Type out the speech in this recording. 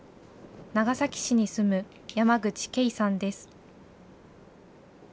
長崎市に住む山口ケイさんです。